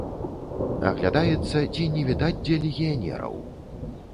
Аглядаецца, ці не відаць дзе легіянераў.